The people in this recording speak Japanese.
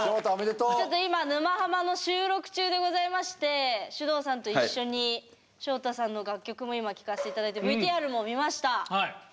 ちょっと今「沼ハマ」の収録中でございましてｓｙｕｄｏｕさんと一緒にしょうたさんの楽曲も今聴かせて頂いてＶＴＲも見ました！